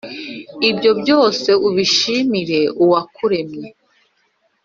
ibyo byose, ubishimire Uwakuremye,